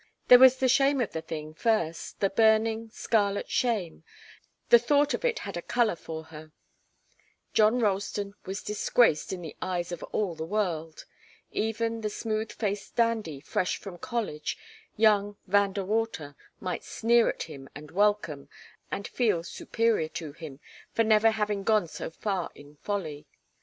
There was the shame of the thing, first, the burning, scarlet shame the thought of it had a colour for her. John Ralston was disgraced in the eyes of all the world. Even the smooth faced dandy, fresh from college, young Van De Water, might sneer at him and welcome, and feel superior to him, for never having gone so far in folly.